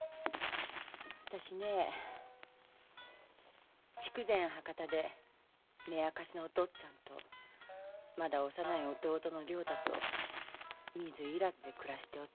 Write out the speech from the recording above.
あたしね筑前博多で目明かしのおとっつぁんとまだ幼い弟の良太と水入らずで暮らしておったと。